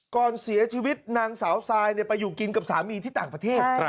ก่อนเสียชีวิตนางสาวซายไปอยู่กินกับสามีที่ต่างประเทศ